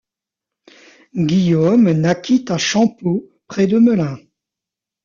Guillaume naquit à Champeaux près de Melun.